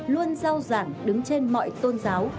luôn giao giản đứng trên mọi tôn giáo